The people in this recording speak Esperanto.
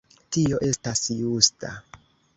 Tio estas justa.